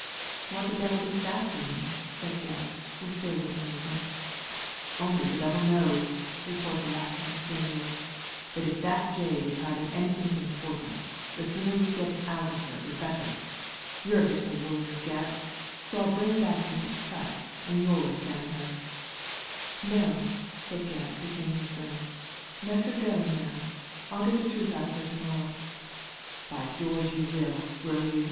" What the devil does that mean ?" said Gebb, with surly amazement '* Only the devil knows/* retorted Lackland, grimly; " but if that jade is hiding anything of importance the sooner we get it out of her the better. YouVe a bit of a lawyer, Gebb, so I'll bring back Mrs. Presk, and you'll examine her I "" No !" said Gebb, detaining his friend ;" let her go now. I'll get the truth out of her to morrow." "By George you will, will you